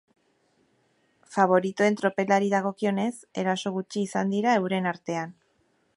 Faboritoen tropelari dagokionez, eraso gutxi izan dira euren artean.